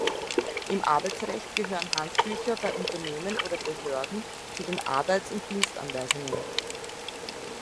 Im Arbeitsrecht gehören Handbücher bei Unternehmen oder Behörden zu den Arbeits- und Dienstanweisungen.